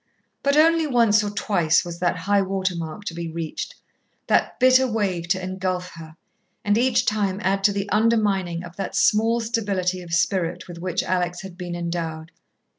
But only once or twice was that high water mark to be reached, that bitter wave to engulf her, and each time add to the undermining of that small stability of spirit with which Alex had been endowed.